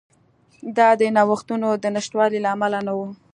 دا د نوښتونو د نشتوالي له امله نه وه.